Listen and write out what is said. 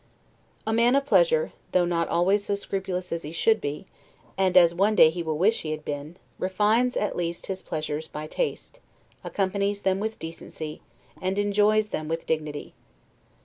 A man of pleasure, though not always so scrupulous as he should be, and as one day he will wish he had been, refines at least his pleasures by taste, accompanies them with decency, and enjoys them with dignity.